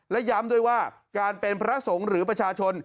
และย้ำด้วยว่าการเป็นพระสงฆ์หรือประชาชน